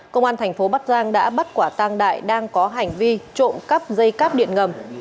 công an thành phố bắc giang đã bắt quả tăng đại đang có hành vi trộm cắp dây cáp điện ngầm